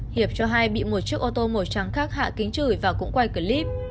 hiệp cho hay bị một chiếc ô tô màu trắng khác hạ kính chửi và cũng quay clip